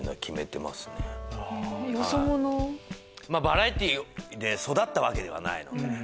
バラエティーで育ったわけではないので。